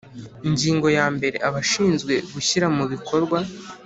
Ingingo ya mbere Abashinzwe gushyira mu bikorwa